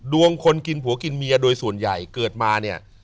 คนกินผัวกินเมียโดยส่วนใหญ่เกิดมาเนี่ย